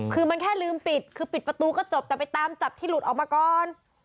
คือมันแค่ลืมปิดคือปิดประตูก็จบแต่ไปตามจับที่หลุดออกมาก่อน